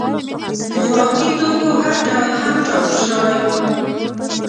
د خوراکي توکو ډول هم ټاکل شوی و.